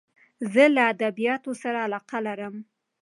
زه له ادبیاتو سره علاقه لرم.